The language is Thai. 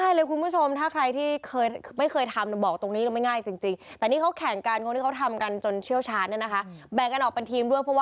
อย่างร้อยมากเพราะว่ามันเป็นกิจกรรม